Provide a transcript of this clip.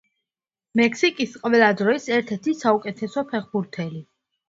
მექსიკის ყველა დროის ერთ-ერთი საუკეთესო ფეხბურთელი.